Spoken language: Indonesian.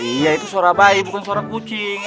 iya itu suara bayi bukan suara kucing